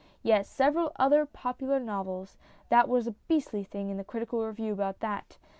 Yes, several other popular novels. That was a beastly thing in the Critical Review about that.